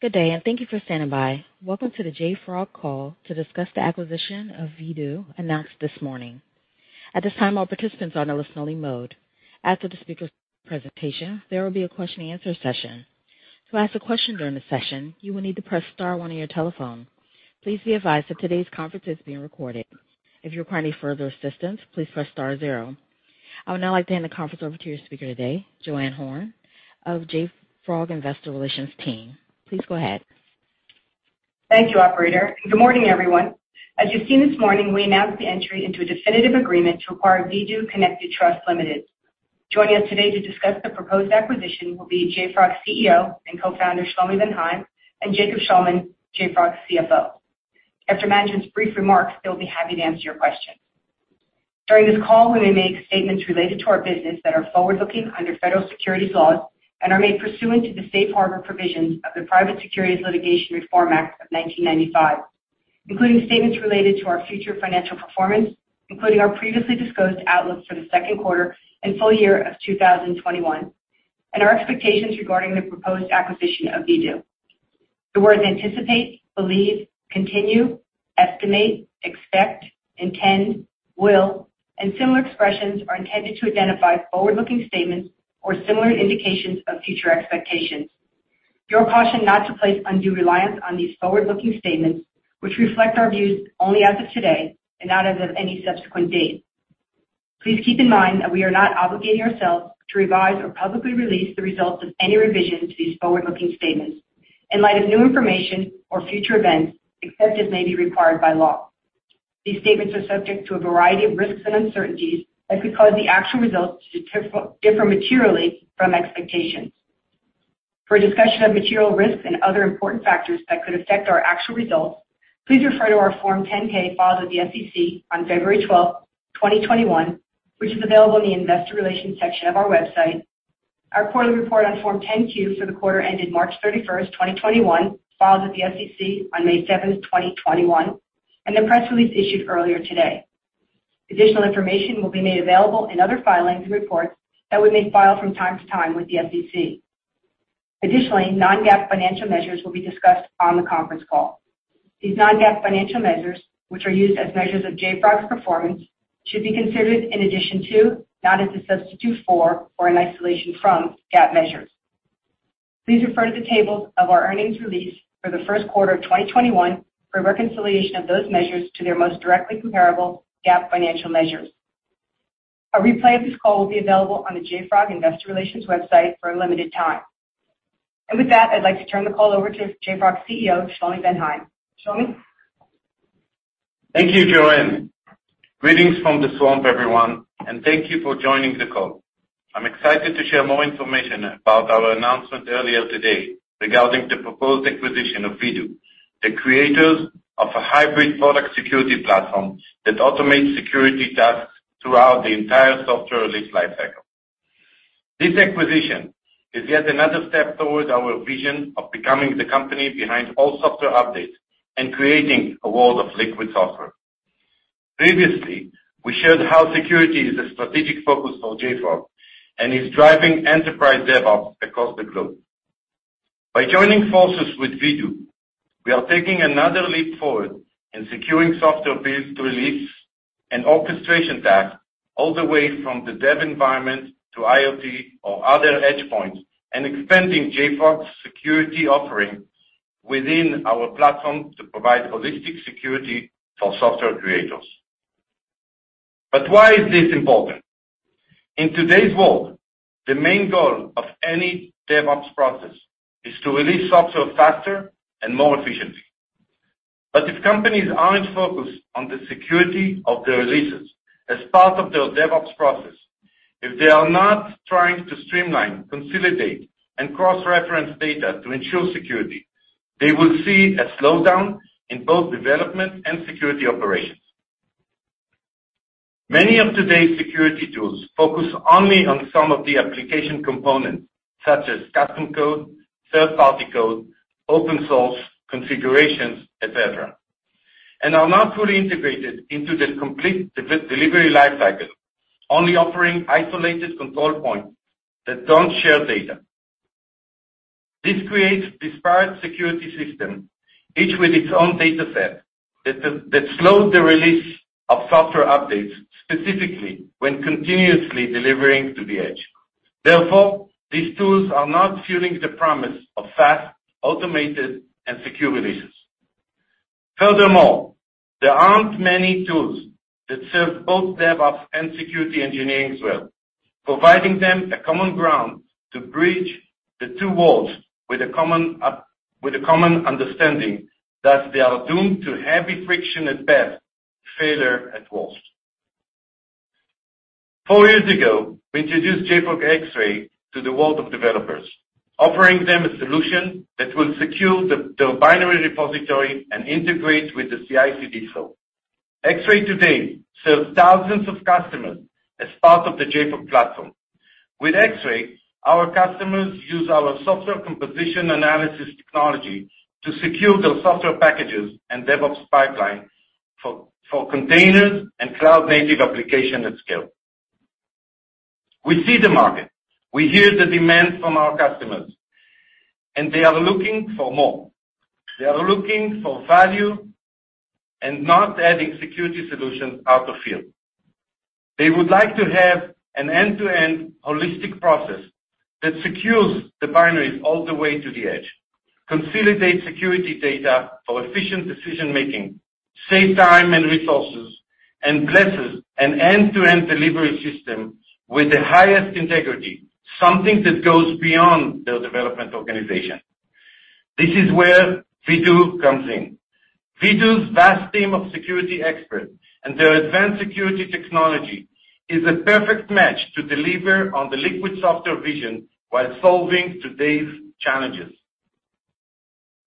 Good day, and thank you for standing by. Welcome to the JFrog call to discuss the acquisition of Vdoo announced this morning. At this time, all participants are in a listening mode. After the speaker's presentation, there will be a question and answer session. To ask a question during the session, you will need to press star one on your telephone. Please be advised that today's conference is being recorded. If you require any further assistance, please press star zero. I would now like to hand the conference over to your speaker today, Joann Horne of JFrog Investor Relations team. Please go ahead. Thank you, operator, and good morning, everyone. As you seen this morning, we announced the entry into a definitive agreement to acquire Vdoo Connected Trust Ltd. Joining us today to discuss the proposed acquisition will be JFrog's CEO and co-founder, Shlomi Ben Haim, and Jacob Shulman, JFrog's CFO. After the management's brief remarks, they'll be happy to answer your questions. During this call, we may make statements related to our business that are forward-looking under federal securities laws and are made pursuant to the safe harbor provisions of the Private Securities Litigation Reform Act of 1995, including statements related to our future financial performance, including our previously disclosed outlook for the second quarter and full year of 2021, and our expectations regarding the proposed acquisition of Vdoo. The words anticipate, believe, continue, estimate, expect, intend, will, and similar expressions are intended to identify forward-looking statements or similar indications of future expectations. You are cautioned not to place undue reliance on these forward-looking statements, which reflect our views only as of today, and not as of any subsequent date. Please keep in mind that we are not obligating ourselves to revise or publicly release the results of any revision to these forward-looking statements in light of new information or future events, except as may be required by law. These statements are subject to a variety of risks and uncertainties that could cause the actual results to differ materially from expectations. For a discussion of material risks and other important factors that could affect our actual results, please refer to our Form 10-K filed with the SEC on February 12, 2021, which is available in the investor relations section of our website, our quarterly report on Form 10-Q for the quarter ending March 31, 2021, filed with the SEC on May 7, 2021, and the press release issued earlier today. Additional information will be made available in other filings and reports that we may file from time to time with the SEC. Non-GAAP financial measures will be discussed on the conference call. These non-GAAP financial measures, which are used as measures of JFrog's performance, should be considered in addition to, not as a substitute for or in isolation from, GAAP measures. Please refer to the tables of our earnings release for the first quarter of 2021 for a reconciliation of those measures to their most directly comparable GAAP financial measures. A replay of this call will be available on the JFrog Investor Relations website for a limited time. With that, I'd like to turn the call over to JFrog CEO, Shlomi Ben Haim. Shlomi? Thank you, Joann. Greetings from Jerusalem everyone, and thank you for joining the call. I'm excited to share more information about our announcement earlier today regarding the proposed acquisition of Vdoo, the creators of a hybrid product security platform that automates security tasks throughout the entire software release lifecycle. This acquisition is yet another step towards our vision of becoming the company behind all software updates and creating a world of liquid software. Previously, we shared how security is a strategic focus for JFrog and is driving enterprise DevOps across the globe. By joining forces with Vdoo, we are taking another leap forward in securing software builds to release and orchestration tasks all the way from the dev environment to IoT or other edge points and expanding JFrog's security offering within our platform to provide holistic security for software creators. Why is this important? In today's world, the main goal of any DevOps process is to release software faster and more efficiently. If companies aren't focused on the security of their releases as part of their DevOps process, if they are not trying to streamline, consolidate, and cross-reference data to ensure security, they will see a slowdown in both development and security operations. Many of today's security tools focus only on some of the application components, such as custom code, third-party code, open source, configurations, et cetera, and are not fully integrated into the complete delivery lifecycle, only offering isolated control points that don't share data. This creates disparate security systems, each with its own data set, that slows the release of software updates, specifically when continuously delivering to the edge. These tools are not fueling the promise of fast, automated, and secure releases. Furthermore, there aren't many tools that serve both DevOps and security engineering well, providing them a common ground to bridge the two worlds with a common understanding that they are doomed to heavy friction at best, failure at worst. Four years ago, we introduced JFrog Xray to the world of developers, offering them a solution that will secure their binary repository and integrate with the CI/CD flow. Xray today serves thousands of customers as part of the JFrog Platform. With Xray, our customers use our software composition analysis technology to secure their software packages and DevOps pipeline for containers and cloud-native application at scale. We see the market, we hear the demands from our customers, and they are looking for more. They are looking for value and not having security solutions out of field. They would like to have an end-to-end holistic process that secures the binaries all the way to the edge, consolidates security data for efficient decision-making, saves time and resources, and blesses an end-to-end delivery system with the highest integrity, something that goes beyond their development organization. This is where Vdoo comes in. Vdoo's vast team of security experts and their advanced security technology is a perfect match to deliver on the liquid software vision while solving today's challenges.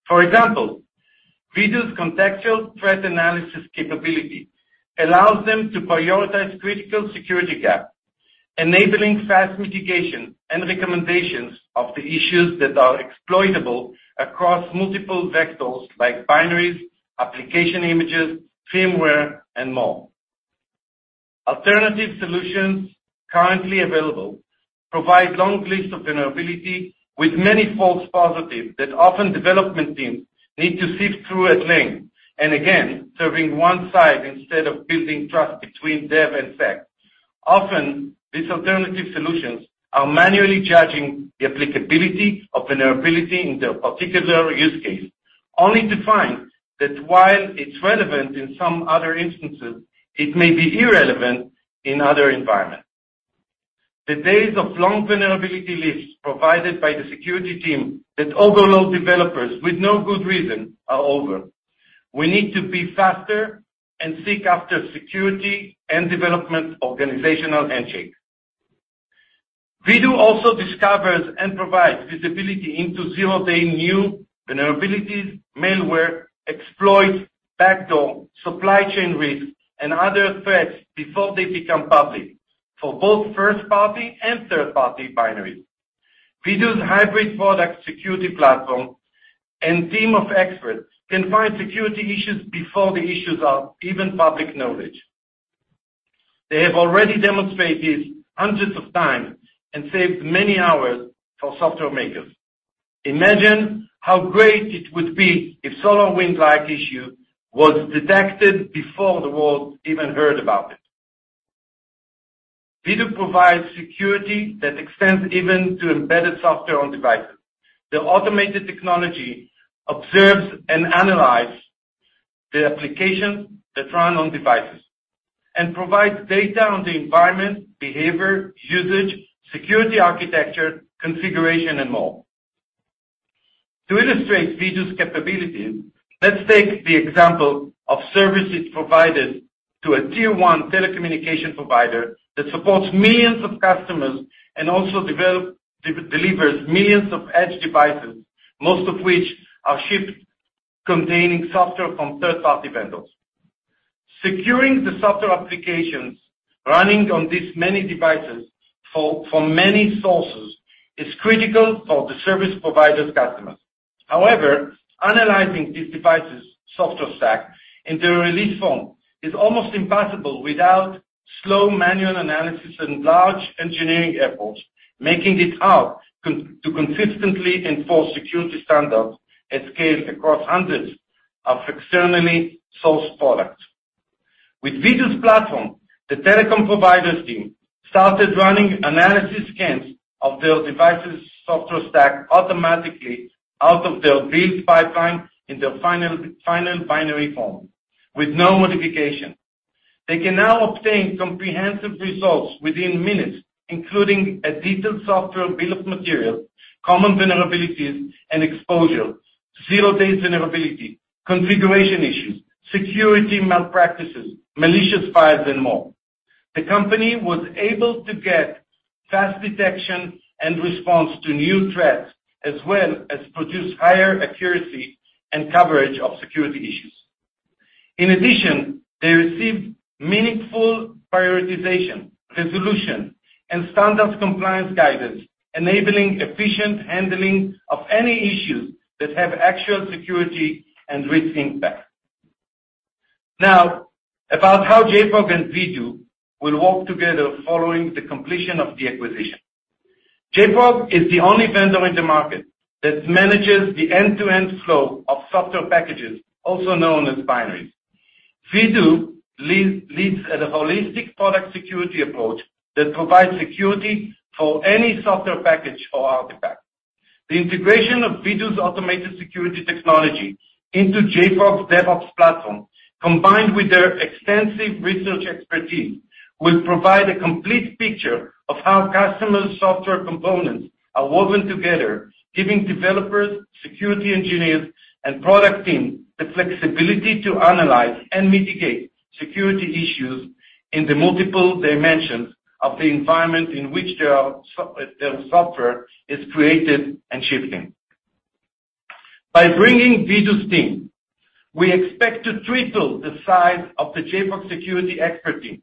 For example, Vdoo's contextual threat analysis capability allows them to prioritize critical security gaps, enabling fast mitigation and recommendations of the issues that are exploitable across multiple vectors like binaries, application images, firmware, and more. Alternative solutions currently available provide long lists of vulnerability with many false positives that often development teams need to sift through at length. Again, serving one side instead of building trust between Dev and Sec. Often, these alternative solutions are manually judging the applicability of vulnerability in their particular use case, only to find that while it's relevant in some other instances, it may be irrelevant in other environments. The days of long vulnerability lists provided by the security team that overload developers with no good reason are over. We need to be faster and seek after security and development organizational handshake. Vdoo also discovers and provides visibility into zero-day new vulnerabilities, malware, exploits, backdoor, supply chain risks, and other threats before they become public for both first-party and third-party binaries. Vdoo's hybrid product security platform and team of experts can find security issues before the issues are even public knowledge. They have already demonstrated hundreds of times and saved many hours for software makers. Imagine how great it would be if SolarWinds-like issue was detected before the world even heard about it. Vdoo provides security that extends even to embedded software on devices. Their automated technology observes and analyzes the applications that run on devices and provides data on the environment, behavior, usage, security architecture, configuration, and more. To illustrate Vdoo's capabilities, let's take the example of services provided to a tier 1 telecommunication provider that supports millions of customers and also delivers millions of edge devices, most of which are shipped containing software from third-party vendors. Securing the software applications running on these many devices for many sources is critical for the service provider's customers. However, analyzing these devices' software stack in their release form is almost impossible without slow manual analysis and large engineering efforts, making it hard to consistently enforce security standards at scale across hundreds of externally sourced products. With Vdoo's platform, the telecom provider's team started running analysis scans of their devices' software stack automatically out of their build pipeline in their final binary form with no modification. They can now obtain comprehensive results within minutes, including a detailed software bill of materials, common vulnerabilities and exposure, zero-day vulnerability, configuration issues, security malpractices, malicious files, and more. The company was able to get fast detection and response to new threats, as well as produce higher accuracy and coverage of security issues. They received meaningful prioritization, resolution, and standard compliance guidance, enabling efficient handling of any issues that have actual security and risk impact. About how JFrog and Vdoo will work together following the completion of the acquisition. JFrog is the only vendor in the market that manages the end-to-end flow of software packages, also known as binaries. Vdoo leads a holistic product security approach that provides security for any software package or artifact. The integration of Vdoo's automated security technology into JFrog's DevOps platform, combined with their extensive research expertise, will provide a complete picture of how customers' software components are woven together, giving developers, security engineers, and product teams the flexibility to analyze and mitigate security issues in the multiple dimensions of the environment in which their software is created and shipping. By bringing Vdoo's team, we expect to triple the size of the JFrog security expert team,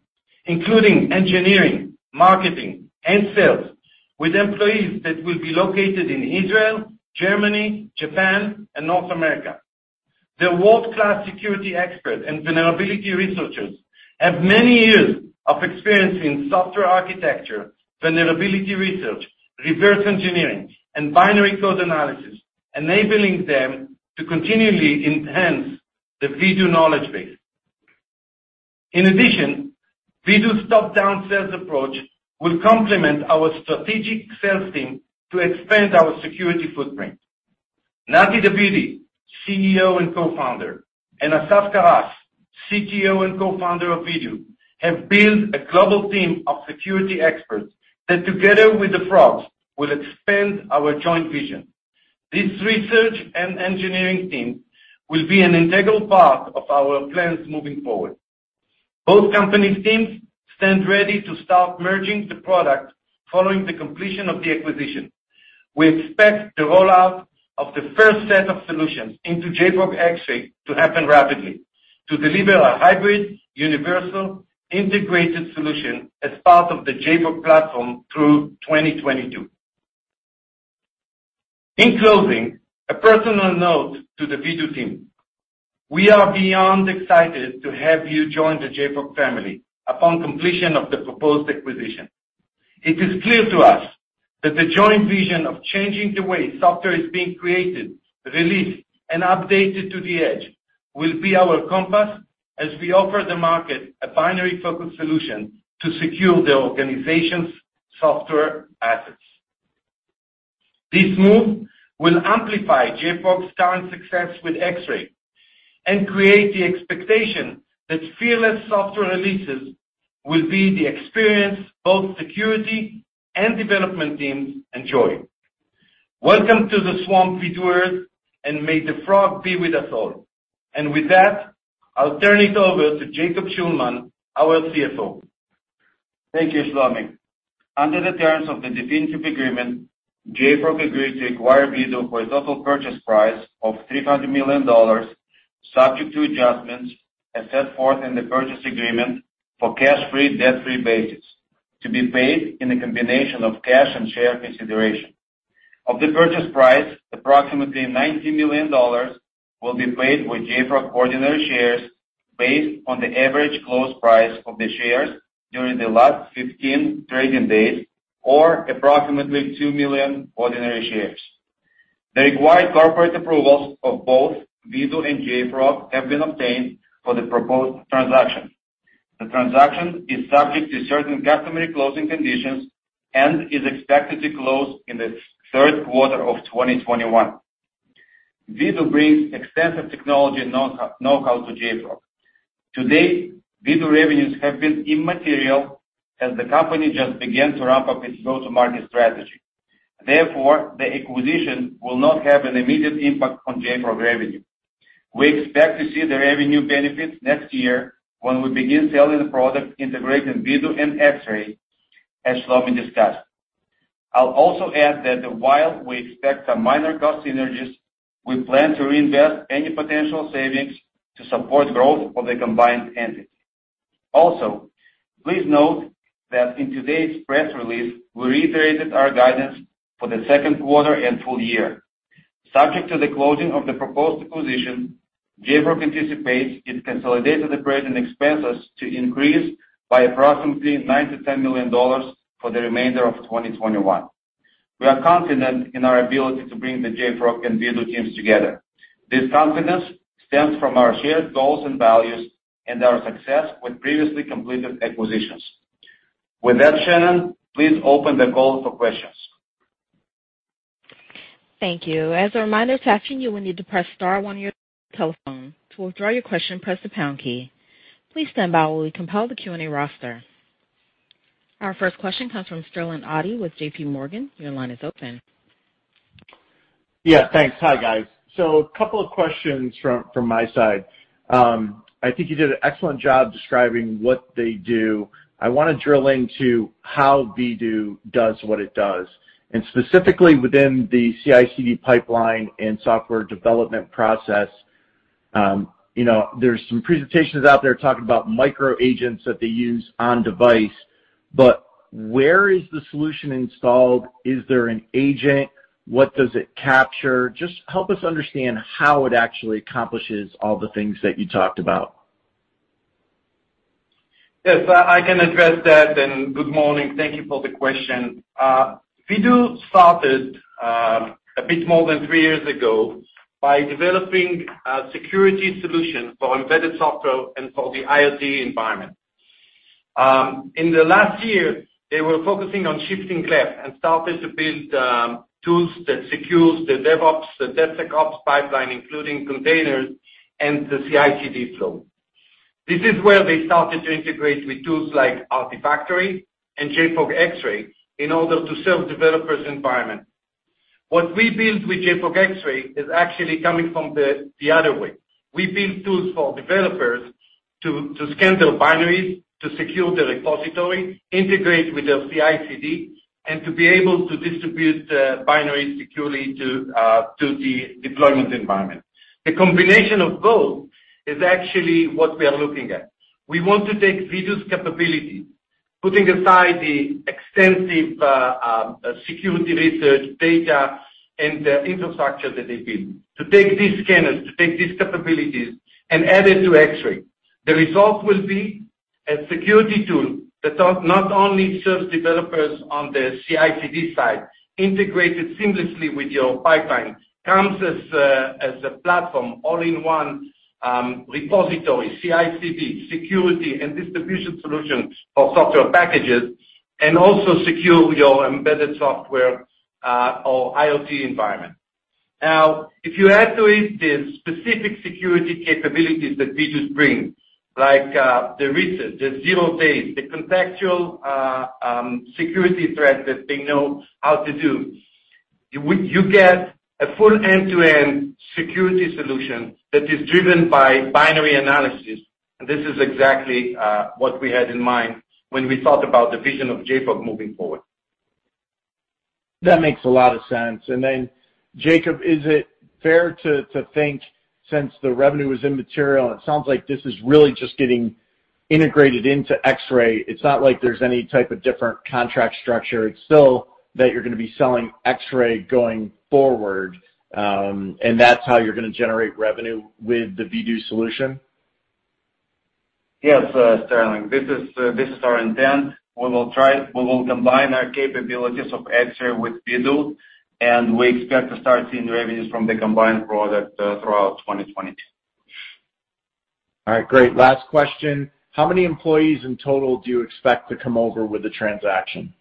including engineering, marketing, and sales, with employees that will be located in Israel, Germany, Japan, and North America. The world-class security experts and vulnerability researchers have many years of experience in software architecture, vulnerability research, reverse engineering, and binary code analysis, enabling them to continually enhance the Vdoo knowledge base. In addition, Vdoo's top-down sales approach will complement our strategic sales team to expand our security footprint. Netanel Davidi, CEO and co-founder, and Asaf Karas, CTO and co-founder of Vdoo, have built a global team of security experts that, together with JFrog, will expand our joint vision. This research and engineering team will be an integral part of our plans moving forward. Both company teams stand ready to start merging the products following the completion of the acquisition. We expect the rollout of the first set of solutions into JFrog Xray to happen rapidly to deliver a hybrid, universal, integrated solution as part of the JFrog Platform through 2022. In closing, a personal note to the Vdoo team. We are beyond excited to have you join the JFrog family upon completion of the proposed acquisition. It is clear to us that the joint vision of changing the way software is being created, released, and updated to the edge will be our compass as we offer the market a binary-focused solution to secure the organization's software assets. This move will amplify JFrog's current success with Xray and create the expectation that fearless software releases will be the experience both security and development teams enjoy. Welcome to the Swamp, Vdooers, and may the Frog be with us all. With that, I'll turn it over to Jacob Shulman, our CFO. Thank you, Shlomi. Under the terms of the definitive agreement, JFrog agreed to acquire Vdoo for a total purchase price of $300 million, subject to adjustments as set forth in the purchase agreement for cash-free, debt-free basis, to be paid in a combination of cash and share consideration. Of the purchase price, approximately $90 million will be paid with JFrog ordinary shares based on the average close price of the shares during the last 15 trading days, or approximately two million ordinary shares. The required corporate approvals of both Vdoo and JFrog have been obtained for the proposed transaction. The transaction is subject to certain customary closing conditions and is expected to close in the third quarter of 2021. Vdoo brings extensive technology know-how to JFrog. Today, Vdoo revenues have been immaterial as the company just began to ramp up its go-to-market strategy. The acquisition will not have an immediate impact on JFrog revenue. We expect to see the revenue benefits next year when we begin selling the product integrating Vdoo and Xray, as Shlomi discussed. I'll also add that while we expect some minor cost synergies, we plan to reinvest any potential savings to support growth of the combined entity. Please note that in today's press release, we reiterated our guidance for the second quarter and full year. Subject to the closing of the proposed acquisition, JFrog anticipates its consolidated operating expenses to increase by approximately $9 million-$10 million for the remainder of 2021. We are confident in our ability to bring the JFrog and Vdoo teams together. This confidence stems from our shared goals and values and our success with previously completed acquisitions. Shannon, please open the call for questions. Thank you. As a reminder, to ask you will need to press star one on your telephone. To withdraw your question, press the pound key. Please stand by while we compile the Q&A roster. Our first question comes from Sterling Auty with JPMorgan. Your line is open. Yeah, thanks. Hi, guys. A couple of questions from my side. I think you did an excellent job describing what they do. I want to drill into how Vdoo does what it does, and specifically within the CI/CD pipeline and software development process. There's some presentations out there talking about micro agents that they use on-device, but where is the solution installed? Is there an agent? What does it capture? Just help us understand how it actually accomplishes all the things that you talked about. Yes, I can address that. Good morning. Thank you for the question. Vdoo started a bit more than three years ago by developing a security solution for embedded software and for the IoT environment. In the last year, they were focusing on shifting left and started to build tools that secure the DevOps, the DevSecOps pipeline, including containers and the CI/CD tool. This is where they started to integrate with tools like Artifactory and JFrog Xray in order to serve developers' environment. What we build with JFrog Xray is actually coming from the other way. We build tools for developers to scan their binaries, to secure the repository, integrate with their CI/CD, and to be able to distribute the binary securely to the deployment environment. The combination of both is actually what we are looking at. We want to take Vdoo's capability. Putting aside the extensive security research data and the infrastructure that they build. To take these scanners, to take these capabilities and add it to Xray. The result will be a security tool that not only serves developers on the CI/CD side, integrated seamlessly with your pipeline, comes as a platform, all-in-one repository, CI/CD, security, and distribution solution for software packages, and also secure your embedded software or IoT environment. Now, if you activate the specific security capabilities that Vdoo brings, like the research, the zero-day, the contextual security threat that they know how to do, you get a full end-to-end security solution that is driven by binary analysis. This is exactly what we had in mind when we thought about the vision of JFrog moving forward. That makes a lot of sense. Jacob, is it fair to think since the revenue is immaterial, it sounds like this is really just getting integrated into Xray. It's not like there's any type of different contract structure. It's still that you're going to be selling Xray going forward, and that's how you're going to generate revenue with the Vdoo solution? Yes, Sterling. This is our intent. We will combine our capabilities of Xray with Vdoo, we expect to start seeing revenues from the combined product throughout 2022. All right, great. Last question. How many employees in total do you expect to come over with the transaction?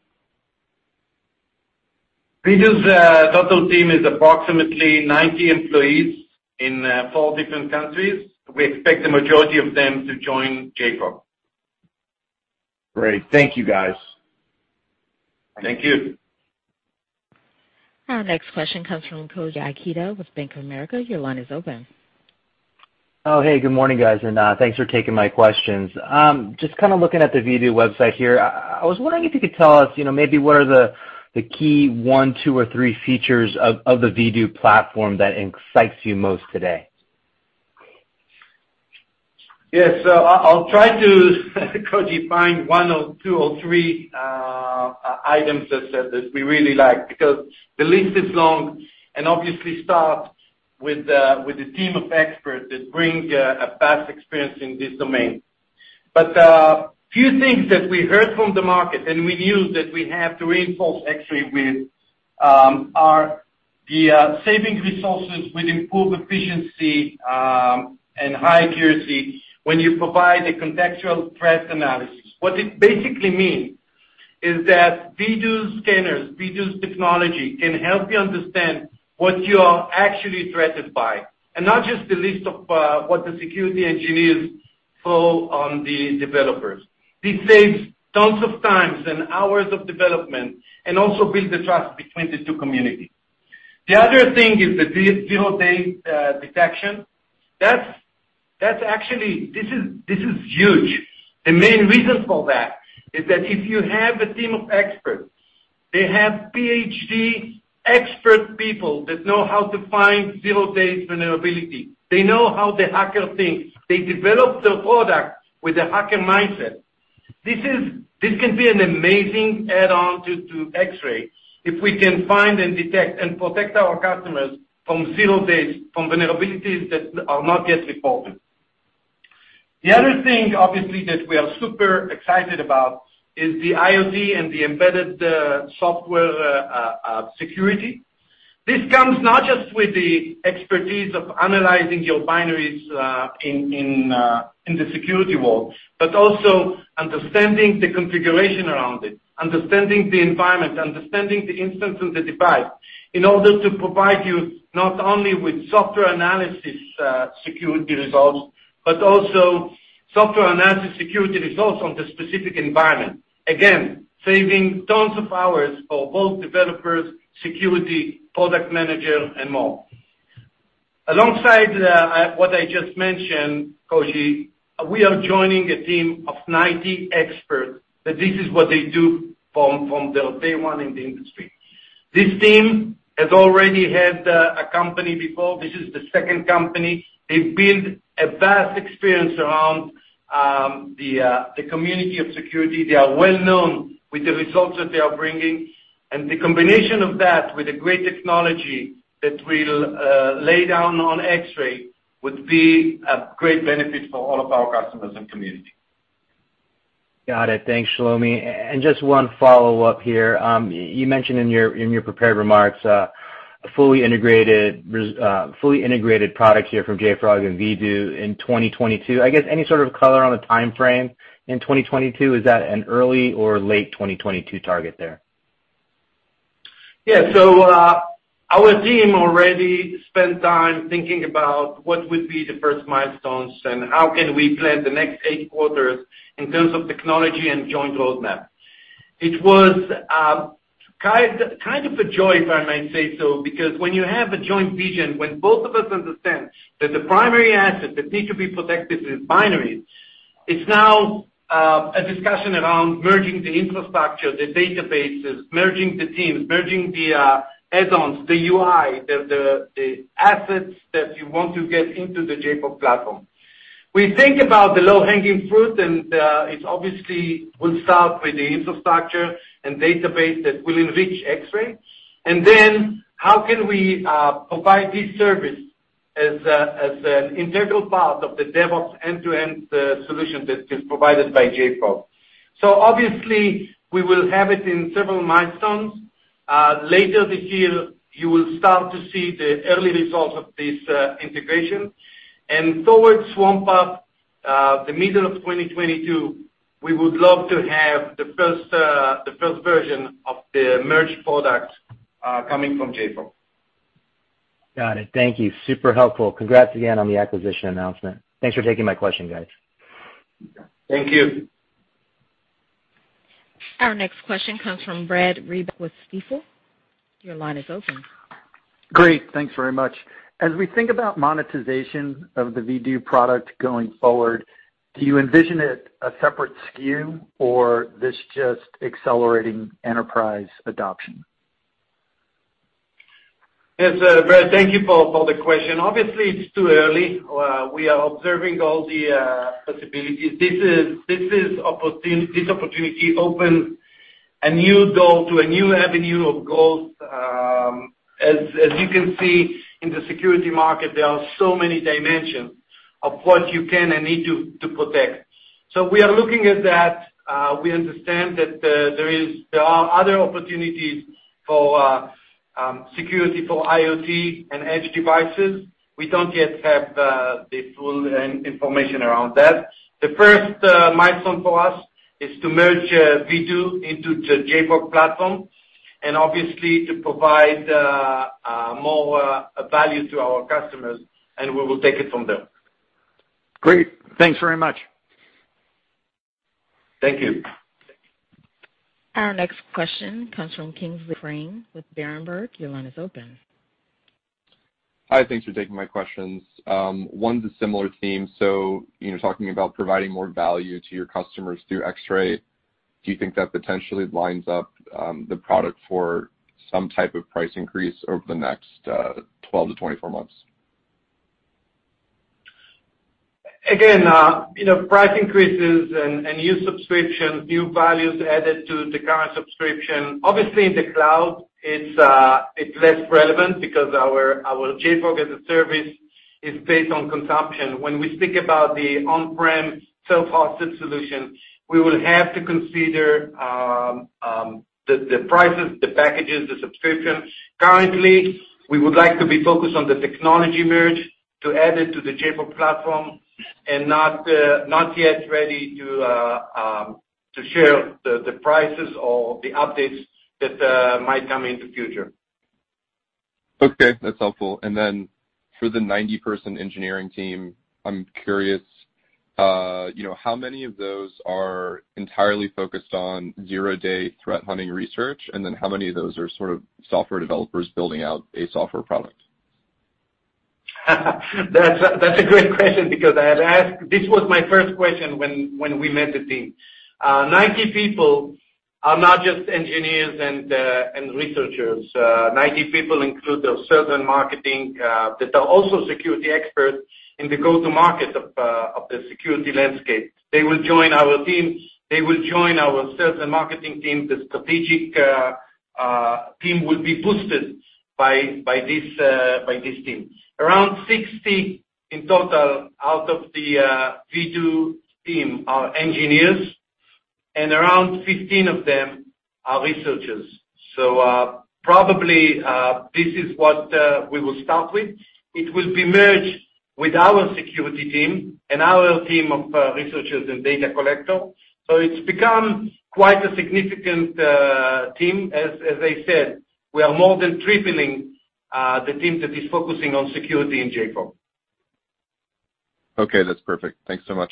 Vdoo's total team is approximately 90 employees in four different countries. We expect the majority of them to join JFrog. Great. Thank you guys. Thank you. Our next question comes from Koji Ikeda with Bank of America. Your line is open. Oh, hey, good morning, guys, and thanks for taking my questions. Just looking at the Vdoo website here. I was wondering if you could tell us maybe what are the key one, two, or three features of the Vdoo platform that excites you most today? I'll try to Koji, find one or two or three items that we really like because the list is long and obviously starts with a team of experts that bring a vast experience in this domain. A few things that we heard from the market and we knew that we have to reinforce actually with are the saving resources with improved efficiency and high accuracy when you provide a contextual threat analysis. What it basically means is that Vdoo's scanners, Vdoo's technology can help you understand what you are actually threatened by and not just the list of what the security engineers [inaudible] on the developers. This saves tons of times and hours of development and also builds the trust between the two communities. The other thing is the zero-day detection. This is huge. The main reason for that is that if you have a team of experts, they have PhD expert people that know how to find zero-day vulnerability. They know how the hacker thinks. They develop the product with a hacker mindset. This can be an amazing add-on to Xray if we can find and detect and protect our customers from zero-day, from vulnerabilities that are not yet reported. The other thing, obviously, that we are super excited about is the IoT and the embedded software security. This comes not just with the expertise of analyzing your binaries in the security world, but also understanding the configuration around it, understanding the environment, understanding the instance of the device in order to provide you not only with software analysis security results, but also software analysis security results of the specific environment. Saving tons of hours for both developers, security, product manager, and more. Alongside what I just mentioned, Koji, we are joining a team of 90 experts that this is what they do from day one in the industry. This team has already had a company before. This is the second company. They build a vast experience around the community of security. They are well-known with the results that they are bringing. The combination of that with a great technology that will lay down on Xray would be a great benefit for all of our customers and community. Got it. Thanks, Shlomi. Just 1 follow-up here. You mentioned in your prepared remarks, a fully integrated product here from JFrog and Vdoo in 2022. I guess any sort of color on the timeframe in 2022? Is that an early or late 2022 target there? Yeah. Our team already spent time thinking about what would be the first milestones and how can we plan the next eight quarters in terms of technology and joint roadmap. It was kind of a joy if I may say so, because when you have a joint vision, when both of us understand that the primary asset that needs to be protected is binary, it's now a discussion around merging the infrastructure, the databases, merging the teams, merging the add-ons, the UI, the assets that you want to get into the JFrog Platform. We think about the low-hanging fruit, and it obviously will start with the infrastructure and database that will enrich Xray. Then how can we provide this service as an integral part of the DevOps end-to-end solution that is provided by JFrog? Obviously, we will have it in several milestones. Later this year, you will start to see the early results of this integration. Towards swampUP, the middle of 2022, we would love to have the first version of the merged product coming from JFrog. Got it. Thank you. Super helpful. Congrats again on the acquisition announcement. Thanks for taking my question, guys. Thank you. Our next question comes from Brad Reback with Stifel. Your line is open. Great. Thanks very much. As we think about monetization of the Vdoo product going forward, do you envision it a separate SKU or this just accelerating enterprise adoption? Yes, Brad, thank you for the question. Obviously, it's too early. We are observing all the possibilities. This opportunity opens a new door to a new avenue of growth. As you can see in the security market, there are so many dimensions of what you can and need to protect. We are looking at that. We understand that there are other opportunities for security for IoT and edge devices. We don't yet have the full information around that. The first milestone for us is to merge Vdoo into the JFrog Platform and obviously to provide more value to our customers, and we will take it from there. Great. Thanks very much. Thank you. Our next question comes from Kingsley Crane with Berenberg. Your line is open. Hi, thanks for taking my questions. One is a similar theme. You're talking about providing more value to your customers through Xray. Do you think that potentially lines up the product for some type of price increase over the next 12-24 months? Again, price increases and new subscriptions, new values added to the current subscription, obviously in the cloud, it's less relevant because our JFrog as a service is based on consumption. When we think about the on-prem self-hosted solution, we will have to consider the prices, the packages, the subscriptions. Currently, we would like to be focused on the technology merge to add it to the JFrog Platform and not yet ready to share the prices or the updates that might come in the future. Okay, that's helpful. For the 90-person engineering team, I'm curious how many of those are entirely focused on zero-day threat hunting research, and then how many of those are sort of software developers building out a software product? That's a great question because this was my first question when we met the team. 90 people are not just engineers and researchers. 90 people include the sales and marketing that are also security experts in the go-to market of the security landscape. They will join our teams. They will join our sales and marketing team. The strategic team will be boosted by these teams. Around 60 in total out of the Vdoo team are engineers, and around 15 of them are researchers. Probably this is what we will start with. It will be merged with our security team and our team of researchers and data collectors. It's become quite a significant team. As I said, we are more than tripling the team that is focusing on security in JFrog. Okay, that's perfect. Thanks so much.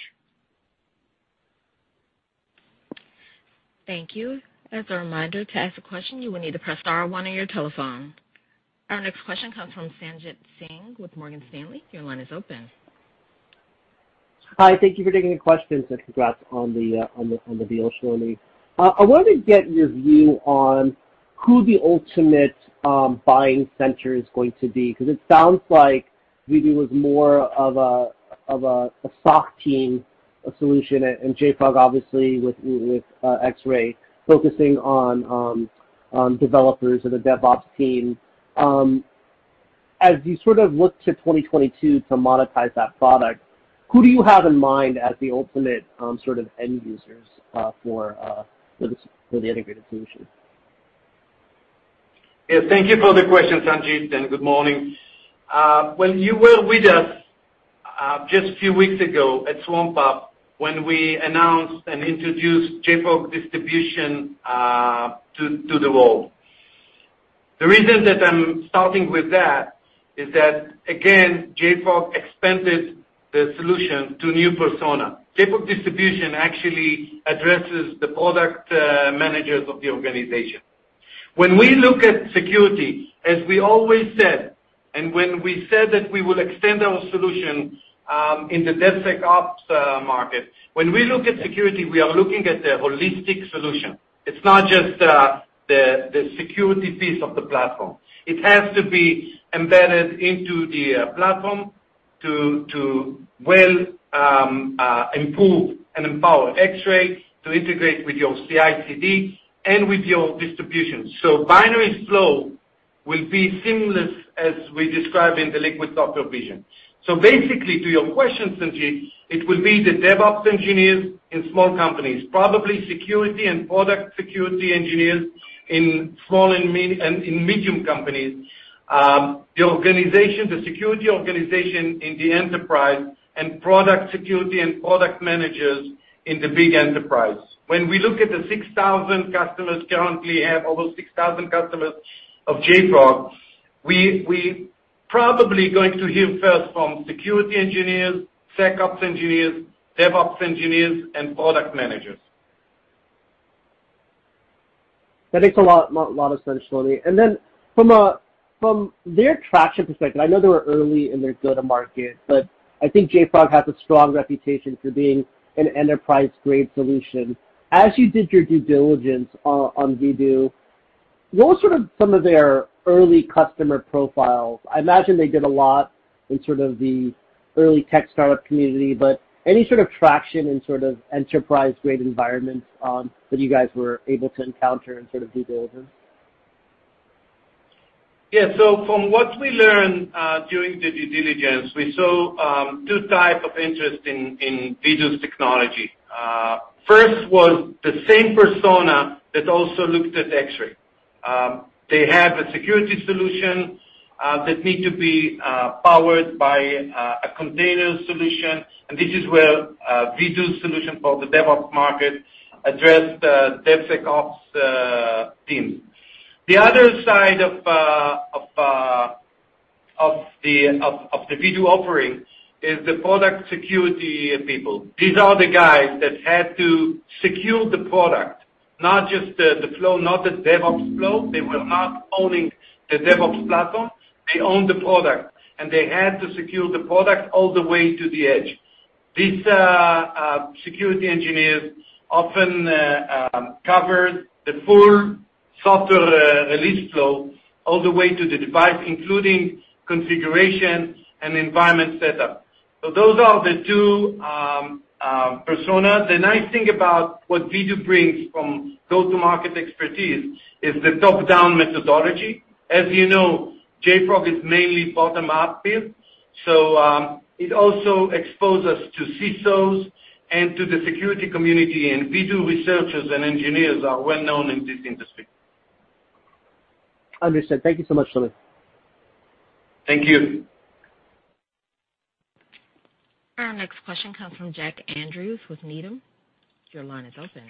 Thank you. As a reminder, to ask a question, you will need to press star one on your telephone. Our next question comes from Sanjit Singh with Morgan Stanley. Your line is open. Hi, thank you for taking the question, and congrats on the deal, Shlomi. I wanted to get your view on who the ultimate buying center is going to be because it sounds like Vdoo was more of a SOC team solution, and JFrog obviously with Xray focusing on developers and the DevOps team. As you sort of look to 2022 to monetize that product, who do you have in mind as the ultimate sort of end users for the integrated solution? Yeah, thank you for the question, Sanjit, and good morning. Well, you were with us just a few weeks ago at swampUP when we announced and introduced JFrog Distribution to the world. The reason that I'm starting with that is that, again, JFrog expanded the solution to a new persona. JFrog Distribution actually addresses the product managers of the organization. When we look at security, as we always said, and when we said that we would extend our solution in the DevSecOps market, when we look at security, we are looking at a holistic solution. It's not just the security piece of the platform. It has to be embedded into the platform to well improve and empower Xray to integrate with your CI/CD and with your distribution. Binary flow will be seamless as we describe in the liquid software vision. Basically to your question, Sanjit, it will be the DevOps engineers in small companies, probably security and product security engineers in small and medium companies, the security organization in the enterprise, and product security and product managers in the big enterprise. When we look at the 6,000 customers currently, almost 6,000 customers of JFrog, we probably going to hear first from security engineers, SecOps engineers, DevOps engineers, and product managers. That makes a lot of sense, Shlomi. From their traction perspective, I know they're early in their go-to-market, but I think JFrog has a strong reputation for being an enterprise-grade solution. As you did your due diligence on Vdoo, what were some of their early customer profiles? I imagine they get a lot in sort of the early tech startup community, but any sort of traction in enterprise-grade environments that you guys were able to encounter in due diligence? From what we learned during the due diligence, we saw two types of interest in Vdoo's technology. First was the same persona that also looked at Xray. They had a security solution that need to be powered by a container solution, and this is where Vdoo solution for the DevOps market addressed the DevSecOps team. The other side of the Vdoo offering is the product security people. These are the guys that had to secure the product, not just the flow, not the DevOps flow. They were not only the DevOps platform, they own the product, and they had to secure the product all the way to the edge. These security engineers often cover the full software release flow all the way to the device, including configuration and environment setup. Those are the two personas. The nice thing about what Vdoo brings from go-to-market expertise is the top-down methodology. As you know, JFrog is mainly bottom-up build. It also exposed us to CISOs and to the security community, and Vdoo researchers and engineers are well-known in this industry. Understood. Thank you so much, Shlomi. Thank you. Our next question comes from Jack Andrews with Needham. Your line is open.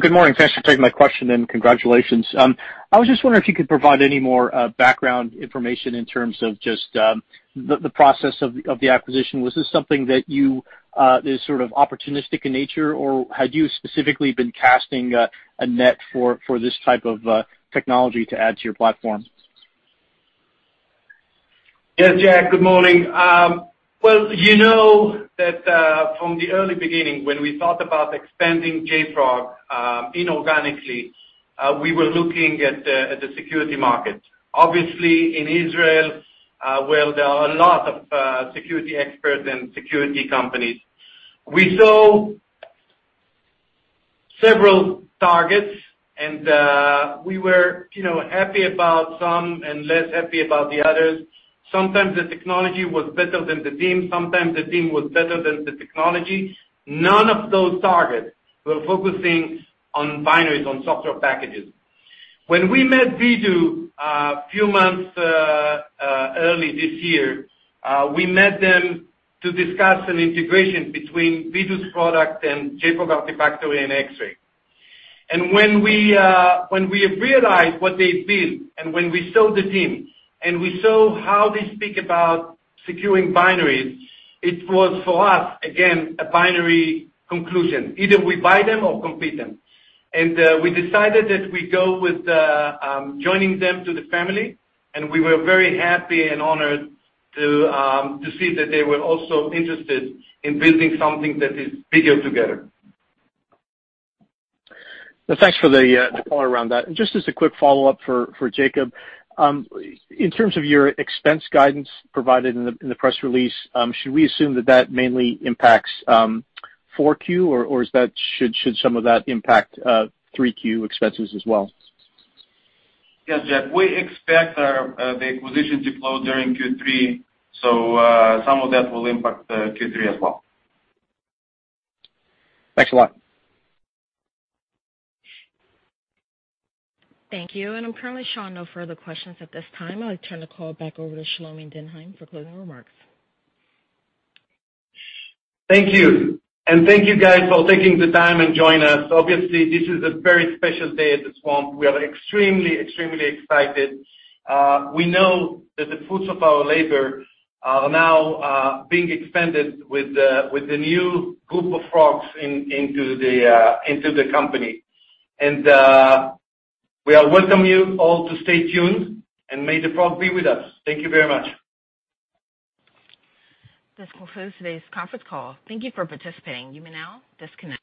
Good morning. Thanks for taking my question, and congratulations. I was just wondering if you could provide any more background information in terms of just the process of the acquisition. Was this something that is sort of opportunistic in nature, or had you specifically been casting a net for this type of technology to add to your platform? Yeah, Jack, good morning. Well, you know that from the early beginning, when we thought about expanding JFrog inorganically, we were looking at the security market. Obviously, in Israel, where there are a lot of security experts and security companies. We saw several targets, and we were happy about some and less happy about the others. Sometimes the technology was better than the team, sometimes the team was better than the technology. None of those targets were focusing on binaries on software packages. When we met Vdoo few months early this year, we met them to discuss an integration between Vdoo's product and JFrog Artifactory and Xray. When we realized what they did and when we saw the team, and we saw how they speak about securing binaries, it was for us, again, a binary conclusion. Either we buy them or compete them. We decided that we go with joining them to the family, and we were very happy and honored to see that they were also interested in building something that is bigger together. Thanks for the color around that. Just as a quick follow-up for Jacob. In terms of your expense guidance provided in the press release, should we assume that that mainly impacts 4Q, or should some of that impact 3Q expenses as well? Yes, Jack. We expect the acquisition to close during Q3. Some of that will impact Q3 as well. Thanks a lot. Thank you. I'm currently showing no further questions at this time. I'll turn the call back over to Shlomi Ben Haim for closing remarks. Thank you, thank you guys for taking the time and join us. Obviously, this is a very special day at JFrog. We are extremely excited. We know that the fruits of our labor are now being expanded with the new group of frogs into the company. We welcome you all to stay tuned, and may the frog be with us. Thank you very much. This concludes today's conference call. Thank you for participating. You may now disconnect.